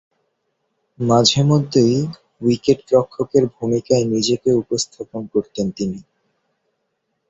মাঝেমধ্যেই উইকেট-রক্ষকের ভূমিকায় নিজেকে উপস্থাপন করতেন তিনি।